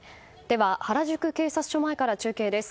原宿警察署前から中継です。